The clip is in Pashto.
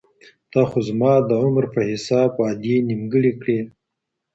تا خو زما د عمر په حساب وعدې نیمګړي کړې